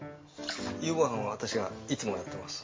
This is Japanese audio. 夕ご飯は私がいつもやってます。